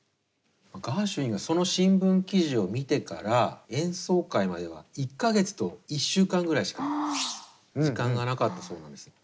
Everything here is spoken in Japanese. ガーシュウィンがその新聞記事を見てから演奏会までは１か月と１週間ぐらいしか時間がなかったそうなんですね。